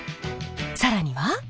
更には。